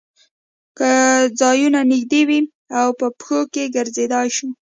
که ځایونه نږدې وي او په پښو ګرځېدای شو.